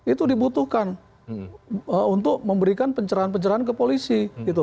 itu dibutuhkan untuk memberikan pencerahan pencerahan ke polisi